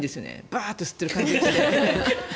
バーッと吸ってる感じがして。